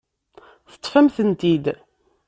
Teṭṭef-am-tent-id.